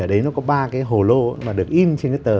đấy nó có ba cái hồ lô mà được in trên cái tờ